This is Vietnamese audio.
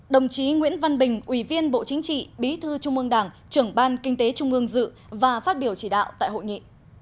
đồng chí nguyễn văn bình ủy viên bộ chính trị bí thư trung ương đảng trưởng ban kinh tế trung ương dự và phát biểu chỉ đạo tại hội nghị